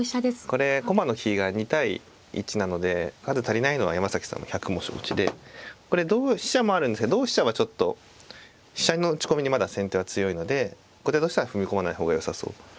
これ駒の比が２対１なので数足りないのは山崎さんも百も承知でこれ同飛車もあるんですけど同飛車はちょっと飛車の打ち込みにまだ先手は強いので後手としては踏み込まない方がよさそう。